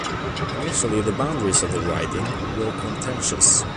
Initially, the boundaries of the riding were contentious.